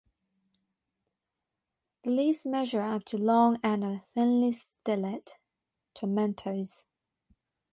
The leaves measure up to long and are thinly stellate tomentose.